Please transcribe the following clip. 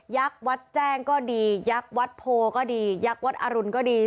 วัดแจ้งก็ดียักษ์วัดโพก็ดียักษ์วัดอรุณก็ดี